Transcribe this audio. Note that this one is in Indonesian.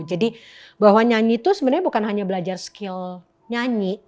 jadi bahwa nyanyi itu sebenarnya bukan hanya belajar skill nyanyi